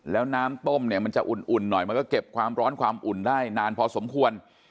แล้วน้ำต้มเนี่ยมันจะอุ่นหน่อยมันก็เก็บความร้อนความอุ่นได้นานพอสมควร